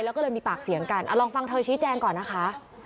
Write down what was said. แล้วก็เลยมีปากเสียงกันลองฟังเธอชี้แจงก่อนนะคะ